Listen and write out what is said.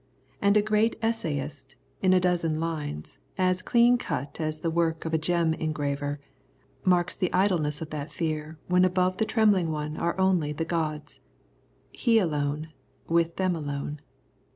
And a great essayist, in a dozen lines, as clean cut as the work of a gem engraver, marks the idleness of that fear when above the trembling one are only the gods, he alone, with them alone.